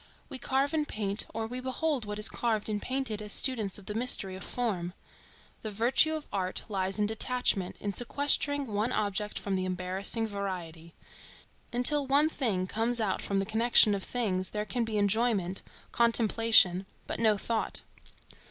We carve and paint, or we behold what is carved and painted, as students of the mystery of Form. The virtue of art lies in detachment, in sequestering one object from the embarrassing variety. Until one thing comes out from the connection of things, there can be enjoyment, contemplation, but no thought.